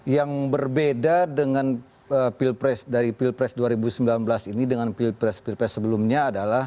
yang berbeda dengan pilpres dari pilpres dua ribu sembilan belas ini dengan pilpres pilpres sebelumnya adalah